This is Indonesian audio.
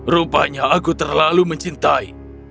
rupanya aku terlalu mencintai